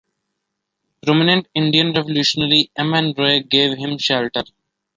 Prominent Indian Revolutionary M. N. Roy gave him shelter.